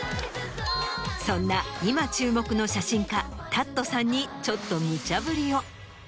そんな今注目の写真家Ｔａｔさんにちょっとむちゃぶりを。